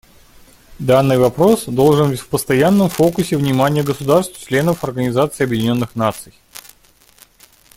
Данный вопрос должен быть в постоянном фокусе внимания государств — членов Организации Объединенных Наций.